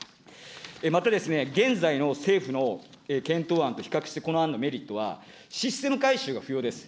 また、現在の政府の検討案と比較してこの案のメリットは、システム改修が不要です。